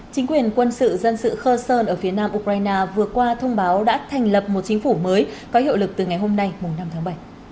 chính quyền quân sự dân sự khơ sơn ở phía nam ukraine vừa qua thông báo đã thành lập một chính phủ mới có hiệu lực từ ngày hôm nay năm tháng bảy